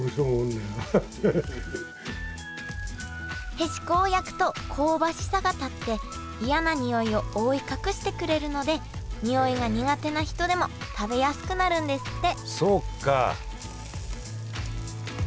へしこを焼くと香ばしさが立って嫌なにおいを覆い隠してくれるのでにおいが苦手な人でも食べやすくなるんですって